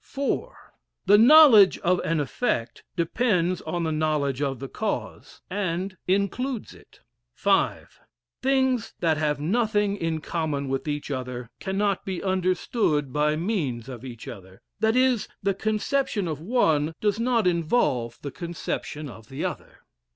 IV. The knowledge of an effect depends on the knowledge of the cause, and includes it. V. Things that have nothing in common with each other cannot be understood by means of each other that is, the conception of one, does not involve the conception of the other.